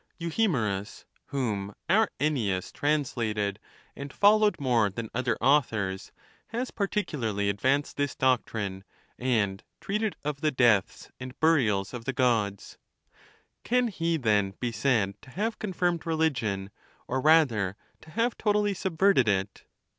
Euhemerus, whom our Ennius translated, and followed more than other authors, has particularly advanced this doctrine, and treated of the deaths and burials of the Gods; can he, then, be said to have con firmed religion, or, rather, to have totally subverted it